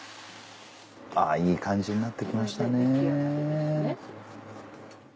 あいい感じになってきましたね。